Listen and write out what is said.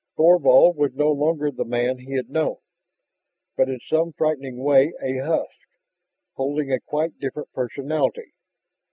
Thorvald was no longer the man he had known, but in some frightening way a husk, holding a quite different personality.